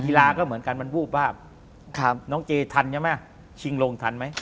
กีฬาก็เหมือนกันมันวูบวาบน้องเจทันใช่ไหมชิงลงทันไหม